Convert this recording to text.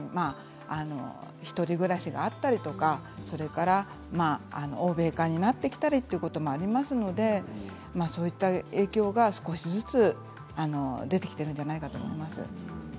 １人暮らしだったりとか欧米化になってきたりということもありますのでそういった影響が少しずつ出てきているんじゃないかと思います。